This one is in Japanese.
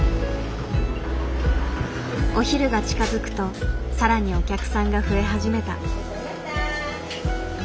お昼が近づくと更にお客さんが増え始めた。